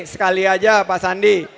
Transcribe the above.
sekali aja pak sandi